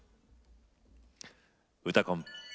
「うたコン」